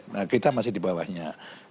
nah kita masih di bawahnya